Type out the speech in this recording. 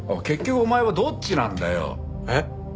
結局お前はどっちなんだよ。えっ？